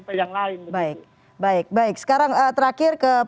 menanggapi apa yang terjadi di rewesak ini sekarang terakhir ke pak saiful